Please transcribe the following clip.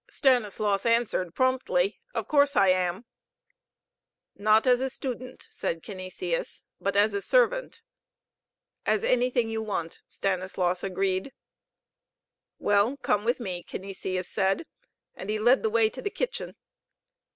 Stanislaus answered promptly, "Of course I am." "Not as a student," said Canisius. "But as a servant?" "As anything you want," Stanislaus agreed. "Well, come with me," Canisius said, and he led the way to the kitchen.